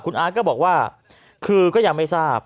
คุณอาร์ตก็บอกว่าคือก็ยังไม่ทราบ